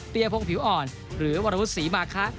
เปรี้ยพกผิวอ่อนหรือวรรณพุษศรีมาคะ